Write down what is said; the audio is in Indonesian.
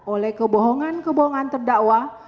oleh kebohongan kebohongan terdakwa